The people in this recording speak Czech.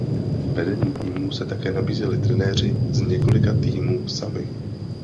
Vedení týmu se také nabízeli trenéři z několika týmů sami.